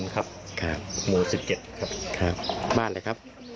๖๓๐ครับหมู่๑๗ครับครับบ้านอะไรครับ